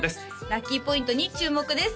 ラッキーポイントに注目です